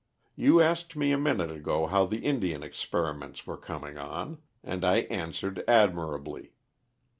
You asked me a minute ago how the Indian experiments were coming on, and I answered admirably.